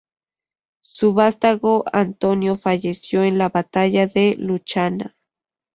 Su vástago Antonio falleció en la batalla de Luchana.